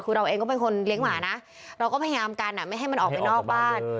คือเราเองก็เป็นคนเลี้ยงหมานะเราก็พยายามกันไม่ให้มันออกไปนอกบ้าน